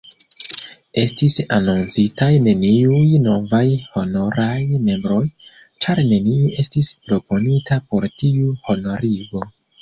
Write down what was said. Estis anoncitaj neniuj novaj honoraj membroj, ĉar neniu estis proponita por tiu honorigo.